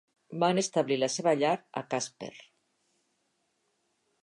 Van establir la seva llar a Casper.